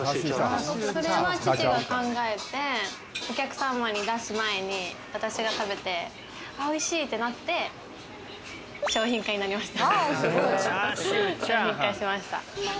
これは父が考えて、お客様に出す前に私が食べて、あぁ、おいしいってなって商品化になりました。